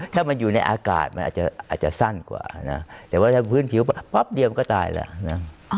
ถ้ามันอยู่ในอากาศมันอาจจะสั้นกว่านะแต่ว่าถ้าพื้นผิวปั๊บเดียวก็ตายแล้วนะ